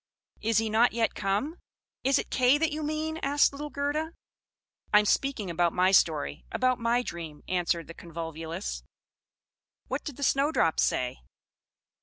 "'Is he not yet come?'" "Is it Kay that you mean?" asked little Gerda. "I am speaking about my story about my dream," answered the Convolvulus. What did the Snowdrops say?